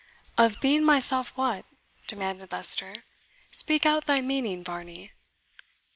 "Of being myself what?" demanded Leicester; "speak out thy meaning, Varney."